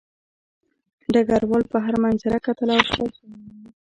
ډګروال بهر منظره کتله او شپه شوې وه